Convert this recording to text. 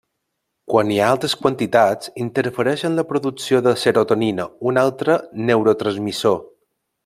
Quan n'hi ha altes quantitats, interfereix en la producció de serotonina, un altre neurotransmissor.